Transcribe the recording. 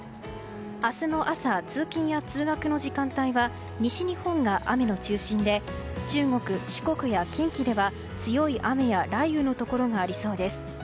明日の朝、通勤や通学の時間帯は西日本が雨の中心で中国・四国、近畿では強い雨や雷雨のところがありそうです。